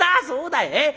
「そうだい。